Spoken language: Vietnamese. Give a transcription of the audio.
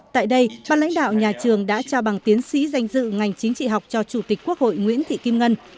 tại đây bà lãnh đạo nhà trường đã trao bằng tiến sĩ danh dự ngành chính trị học cho chủ tịch quốc hội nguyễn thị kim ngân